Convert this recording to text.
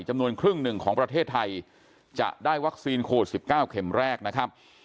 จำนวนครึ่งหนึ่งของประเทศไทยจะได้วัคซีนโควิด๑๙เข็มแรกนะครับ